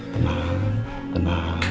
tenang tenang tenang